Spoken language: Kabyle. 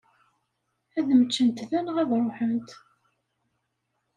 Ad mmeččent da neɣ ad ṛuḥent?